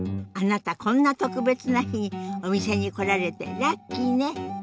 あなたこんな特別な日にお店に来られてラッキーね。